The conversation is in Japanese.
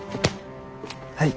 はい。